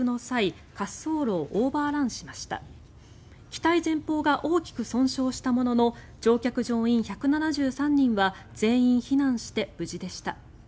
機体前方が大きく損傷したものの乗客・乗員１７３人は全員避難して無事でした。